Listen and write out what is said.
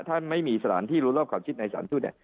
ถ้าไม่มีสถานที่รวมรอบความชิดในสถานที่สู้เนี่ย